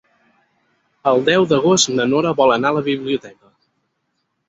El deu d'agost na Nora vol anar a la biblioteca.